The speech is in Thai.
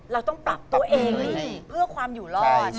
เราต้องปรับตัวเองเพื่อความอยู่รอด